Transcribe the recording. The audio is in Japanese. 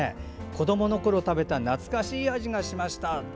子どものころ食べた懐かしい味がしました。